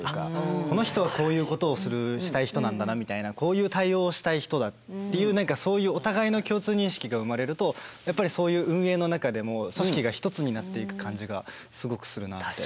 この人はこういうことをしたい人なんだなみたいなこういう対応をしたい人だっていうそういうお互いの共通認識が生まれるとやっぱりそういう運営の中でも組織が一つになっていく感じがすごくするなって。